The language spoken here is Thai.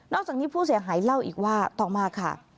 อกจากนี้ผู้เสียหายเล่าอีกว่าต่อมาค่ะ